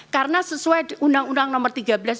karena sesuai undang undang nomor tiga belas dua ribu sebelas